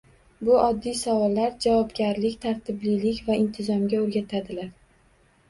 Bu oddiy savollar javobgarlik, tartiblilik va intizomga o‘rgatadilar.